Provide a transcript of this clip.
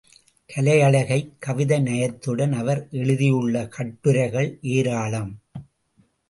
கலையழகை, கவிதை நயத்துடன் அவர் எழுதியுள்ள கட்டுரைகள் ஏராளம்.